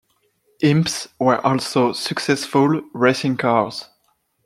Imps were also successful racing cars.